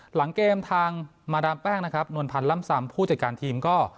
หลังเกมทางมาดามแป้งนะครับนวลพันธ์ล่ำซำผู้จัดการทีมก็